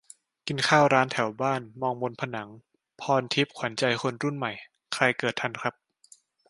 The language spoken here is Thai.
กินข้าวร้านแถวบ้าน มองบนผนัง 'ภรณ์ทิพย์ ขวัญใจคนรุ่นใหม่' ใครเกิดทันครับ ?